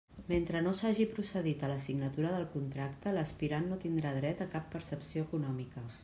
Mentre no s'hagi procedit a la signatura del contracte, l'aspirant no tindrà dret a cap percepció econòmica.